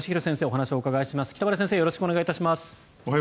よろしくお願いします。